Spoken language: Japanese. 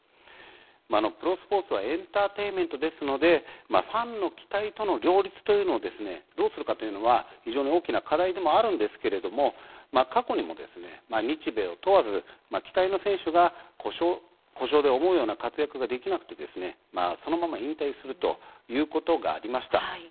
プロスポーツはエンターテインメントですのでファンの期待との両立というのをどうするかというのは非常に大きな課題でもあるんですけれども過去にもですね、日米を問わず期待の選手が故障で思うような活躍ができなくてそのまま引退するということがありました。